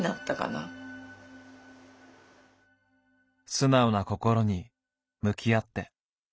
素直な心に向き合って。